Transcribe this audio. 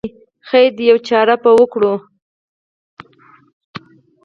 خیر دی یوه چاره به وکړو.